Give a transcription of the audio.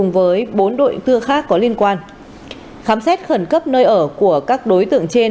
với bốn đội tư khác có liên quan khám xét khẩn cấp nơi ở của các đối tượng trên